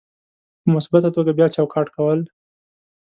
په مثبته توګه بیا چوکاټ کول: